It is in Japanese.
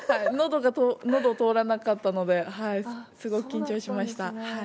のどを通らなかったのですごく緊張しました。